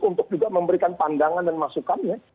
untuk juga memberikan pandangan dan masukan ya